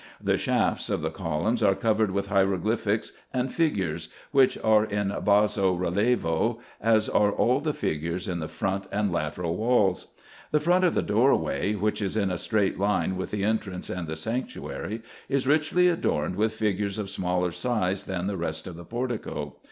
The shafts of the columns are covered with hieroglyphics and figures, which are in basso relievo, as are all the figures in the front and lateral walls. The front of the door way, which is in a straight line with the entrance and the sanctuary, is richly adorned with figures of smaller size than the rest of the portico.